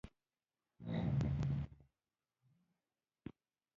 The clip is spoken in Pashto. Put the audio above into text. دا به نو وخت ثابته کړي